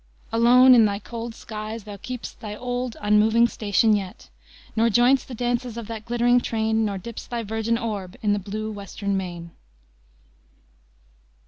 Alone, in thy cold skies, Thou keep'st thy old, unmoving station yet, Nor join'st the dances of that glittering train, Nor dipp'st thy virgin orb in the blue western main."